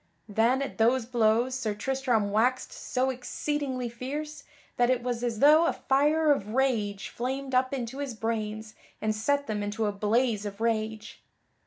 Then, at those blows Sir Tristram waxed so exceedingly fierce that it was as though a fire of rage flamed up into his brains and set them into a blaze of rage.